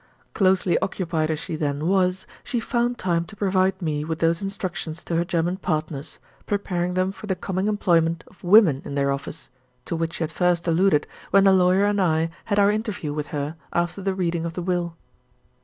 Closely occupied as she then was, she found time to provide me with those instructions to her German partners, preparing them for the coming employment of women in their office, to which she had first alluded when the lawyer and I had our interview with her after the reading of the will.